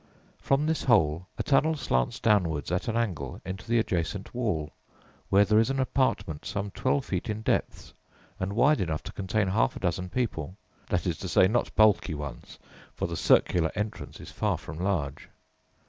From this hole a tunnel slants downwards at an angle into the adjacent wall, where there is an apartment some twelve feet in depth, and wide enough to contain half a dozen people that is to say, not bulky ones, for the circular entrance is far from large.